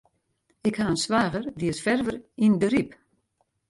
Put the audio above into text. Ik ha in swager, dy is ferver yn de Ryp.